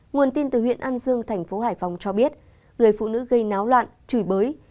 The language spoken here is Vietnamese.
nguồn tin từ huyện an dương thành phố hải phòng cho biết người phụ nữ gây náo loạn chửi bới